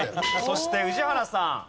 そして宇治原さん。